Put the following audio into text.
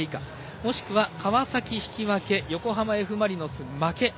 もしくは川崎引き分け横浜Ｆ・マリノス負け。